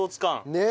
ねえ。